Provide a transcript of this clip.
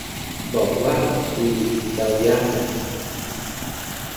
บอกว่า ปีเดายากนะ